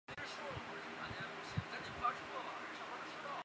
不过相同发动机用在两架飞机也不尽相通。